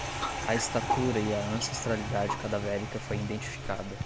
A estatura e a ancestralidade cadavérica foi identificada